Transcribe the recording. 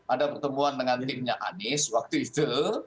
ada pertemuan dengan timnya anies waktu itu